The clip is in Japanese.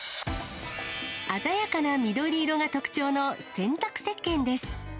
鮮やかな緑色が特徴の洗濯せっけんです。